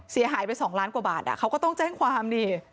เสียหายไป๒ล้านกว่าบาทเขาก็ต้องแจ้งความนี่